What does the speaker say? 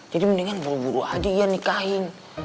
jadi mendingan buru buru aja ian nikahin